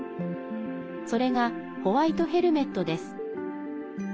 それがホワイト・ヘルメットです。